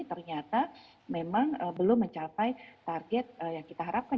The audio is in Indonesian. ternyata memang belum mencapai target yang kita harapkan